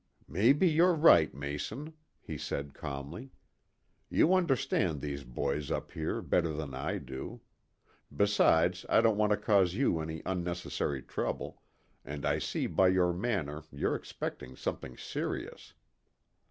"Maybe you're right, Mason," he said calmly. "You understand these boys up here better than I do. Besides, I don't want to cause you any unnecessary trouble, and I see by your manner you're expecting something serious."